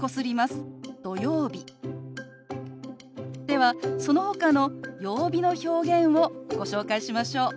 ではそのほかの曜日の表現をご紹介しましょう。